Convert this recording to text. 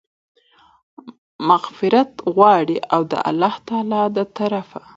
مغفرت غواړي، او د الله تعالی د طرفه